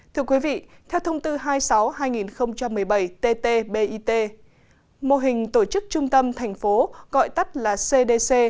thưa quý vị theo thông tư hai mươi sáu hai nghìn một mươi bảy tt bit mô hình tổ chức trung tâm thành phố gọi tắt là cdc